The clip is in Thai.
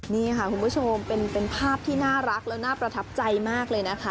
นี่ค่ะคุณผู้ชมเป็นภาพที่น่ารักและน่าประทับใจมากเลยนะคะ